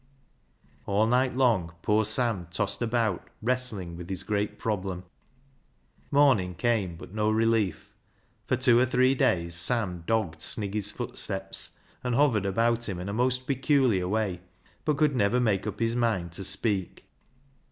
All night long poor Sam tossed about, wrestling with his great problem. Morning came, but no relief. For two or three days Sam dogged Sniggy's footsteps, and hovered about him in a most peculiar way, but could never make up his mind to speak.